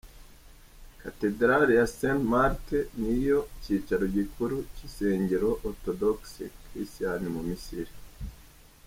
Katedrale ya St Mark niyo cicaro gikuru c'isengero Orthodox Christian mu Misiri.